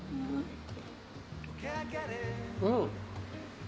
うん！